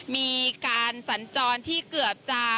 มีการสัญจรที่เกือบจะ